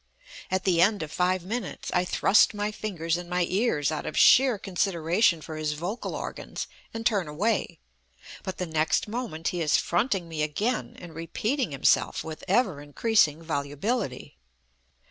At the end of five minutes I thrust my fingers in my ears out of sheer consideration for his vocal organs, and turn away; but the next moment he is fronting me again, and repeating himself with ever increasing volubility.